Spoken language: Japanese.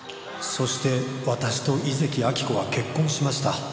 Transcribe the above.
「そして私と井関亜木子は結婚しました」